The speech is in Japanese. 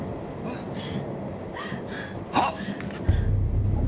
あっ！